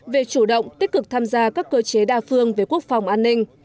về chủ động tích cực tham gia các cơ chế đa phương về quốc phòng an ninh